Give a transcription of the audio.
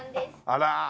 あら。